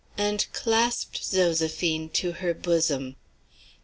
and clasped Zoséphine to her bosom.